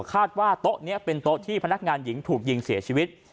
คาดว่าโต๊ะนี้เป็นโต๊ะที่พนักงานหญิงถูกยิงเสียชีวิต